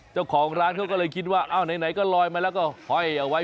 เจ้าของร้านเขาก็เลยคิดว่าอ้าวไหนก็ลอยมาแล้วก็ห้อยเอาไว้